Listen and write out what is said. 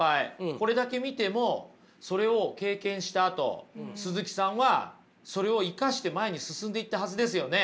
これだけ見てもそれを経験したあと鈴木さんはそれを生かして前に進んでいったはずですよね。